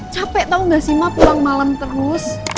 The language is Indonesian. capek tau gak sih mah pulang malem terus